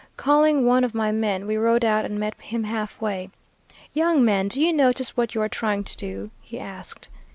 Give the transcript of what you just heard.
Calling one of my men, we rode out and met him halfway. 'Young man, do you know just what you are trying to do?' he asked.